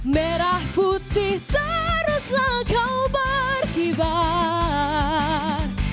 merah putih seharusnya kau berkibar